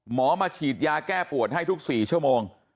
มาฉีดยาแก้ปวดให้ทุก๔ชั่วโมง